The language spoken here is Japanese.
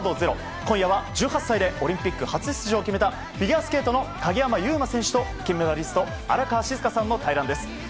今夜は１８歳でオリンピック初出場を決めたフィギュアスケートの鍵山優真選手と金メダリスト荒川静香さんの対談です。